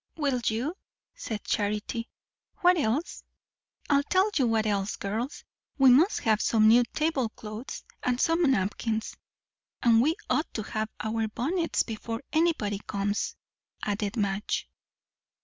"Will you?" said Charity. "What else?" "I'll tell you what else, girls. We must have some new tablecloths, and some napkins." "And we ought to have our bonnets before anybody comes," added Madge.